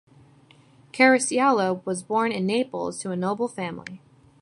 Caracciolo was born in Naples to a noble family.